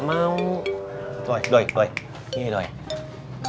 nanti kita ke sana